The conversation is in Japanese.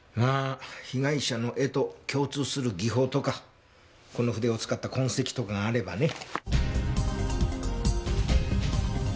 被害者の絵と共通する技法とかこの筆を使った痕跡とかがあればね。